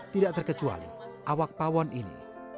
tidak terkecuali awak pawon ini